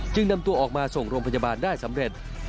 นำตัวออกมาส่งโรงพยาบาลได้สำเร็จ